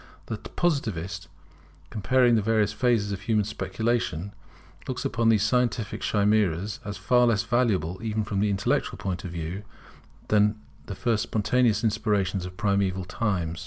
The Positivist comparing the various phases of human speculation, looks upon these scientific chimeras as far less valuable even from the intellectual point of view than the first spontaneous inspirations of primeval times.